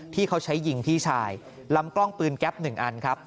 ที่เขาใช้ยิงพี่ชายลำกล้องปืนแก๊ป๑อันครับ